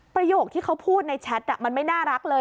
ประโยคที่เขาพูดในแชทมันไม่น่ารักเลย